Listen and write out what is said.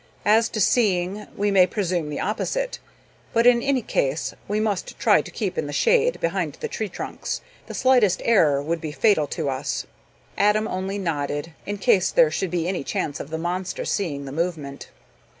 As to seeing, we may presume the opposite, but in any case we must try to keep in the shade behind the tree trunks. The slightest error would be fatal to us." Adam only nodded, in case there should be any chance of the monster seeing the movement.